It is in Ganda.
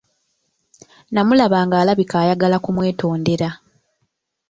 Namulaba ng'alabika ayagala kumwetondera.